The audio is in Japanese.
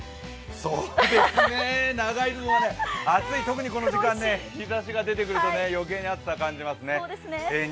そうですね、長いズボンだと特にこの時間、日ざしが出てくると余計に暑さを感じますね。